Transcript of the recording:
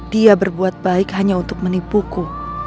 dia berbuat baik hanya untuk menipuku